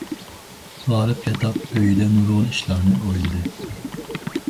غالىب ياتاق ئۆيىدە نۇرغۇن ئىشلارنى ئويلىدى.